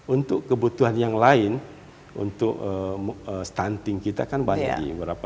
untuk kebutuhan yang lain untuk stunting kita kan banyak